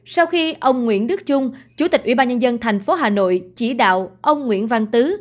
sau khi ông nguyễn đức trung chủ tịch ubnd thành phố hà nội chỉ đạo ông nguyễn văn tứ